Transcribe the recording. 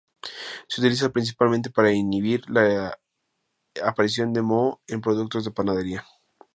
Se utiliza principalmente para inhibir la aparición de moho en productos de panadería.